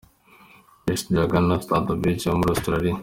Miss Dragana Stankovic wo muri Austria.